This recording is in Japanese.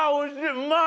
うまい！